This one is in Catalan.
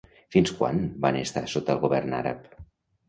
Fins quan van estar sota el govern àrab?